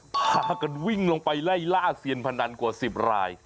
พากันวิ่งลงไปไล่ล่าเซียนพนันกว่า๑๐ราย